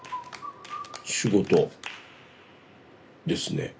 仕事ですね。